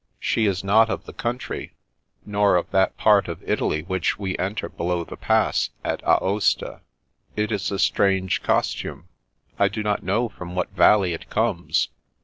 She is not of the country, nor of that part of Italy which we enter below the Pass, at Aosta. It is a strange costume. I do not know from what valley it comes."